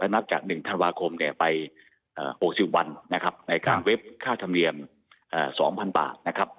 นับจาก๑ธันวาคมไป๖๐วันในการเว็บค่าธรรมเนียม๒๐๐๐บาท